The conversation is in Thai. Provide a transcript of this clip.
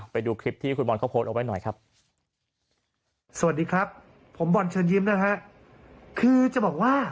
ไปดูคลิปที่คุณบอลเข้าโพสต์เอาไว้หน่อยครับ